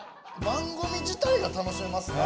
番組自体が楽しめますな。